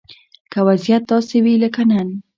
که وضيعت داسې وي لکه نن